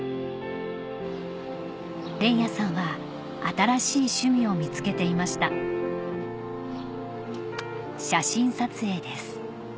連也さんは新しい趣味を見つけていました写真撮影です